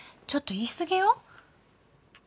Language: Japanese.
ちょっと言いすぎよ。